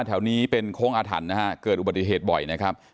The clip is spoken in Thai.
แถวนี้เป็นโค้งอาถรรพ์นะฮะเกิดอุบัติเหตุบ่อยนะครับ